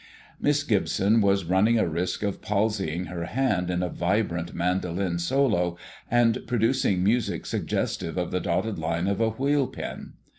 Miss Gibson was running a risk of palsying her hand in a vibrant mandolin solo, and producing music suggestive of the dotted line of a wheel pen.